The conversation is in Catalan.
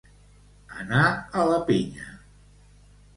Anar a la pinya.